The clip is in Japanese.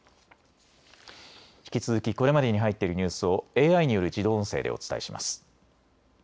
引き続きこれまでに入っているニュースをＡＩによる自動音声でお伝えします。